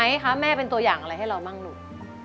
ไอด์ค่ะแม่เป็นตัวอย่างอะไรให้รอบ้างหนู